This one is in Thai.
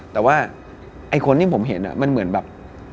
แต่ว่าไอ้คนที่ผมเห็นมันเหมือนแบบ